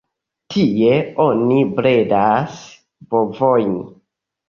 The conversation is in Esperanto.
Tie oni bredas bovojn.